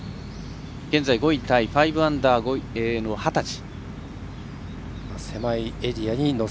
現在５位タイ、５アンダーの幡地。